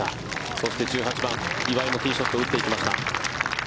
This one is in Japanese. そして１８番、岩井もティーショットを打っていきました。